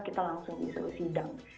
kita langsung disuruh sidang